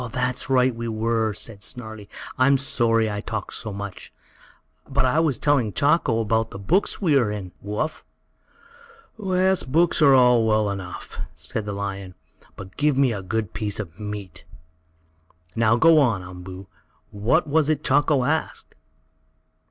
"That's right we were," said Snarlie. "I'm sorry I talked so much. But I was telling Chako about the books we are in, Woo Uff." "Yes, books are all well enough," said the lion, "but give me a good piece of meat. Now go on, Umboo. What was it Chako asked?"